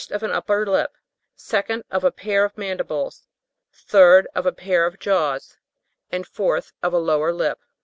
of an upper lip ; 2d, of a pair of mandibles ; 3d, of a pair of jaws ; and 4th, of a lower lip.